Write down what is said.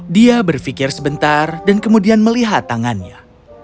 dia berpikir sebentar dan kemudian melihat tangannya